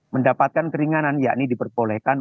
mendapatkan keringanan yakni diperbolehkan